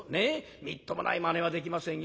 みっともないまねはできませんよ。